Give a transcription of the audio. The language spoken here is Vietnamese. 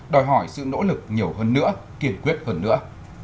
đòi hỏi sự nỗ lực nhiều hơn nữa kiên quyết hơn nữa